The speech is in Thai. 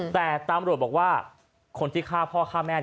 แต่ตำรวจบอกว่าคนที่ฆ่าพ่อฆ่าแม่